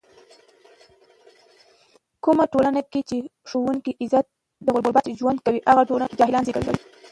کومه ټولنه کې چې ښوونکی د غربت ژوند کوي، هغه ټولنه جاهلان زږوي.